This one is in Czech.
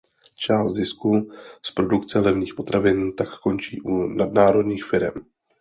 Část zisku z produkce levných potravin tak končí u nadnárodních firem.